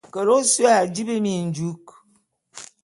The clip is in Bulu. Kele ôsu a dibi minjuk.